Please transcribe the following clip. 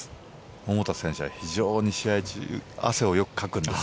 桃田選手は非常に試合中汗をよくかくんです。